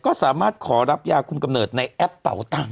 ก็สามารถขอรับยาคุมกำเนิดในแอปเป่าตังค